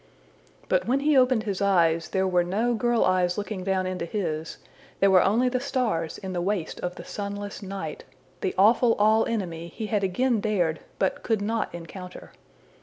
But when he opened his eyes, there were no girl eyes looking down into his; there were only the stars in the waste of the sunless Night the awful all enemy he had again dared, but could not encounter.